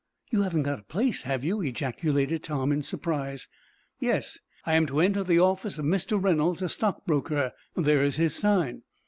"You haven't got a place, have you?" ejaculated Tom, in surprise. "Yes, I am to enter the office of Mr. Reynolds, a stock broker. There is his sign."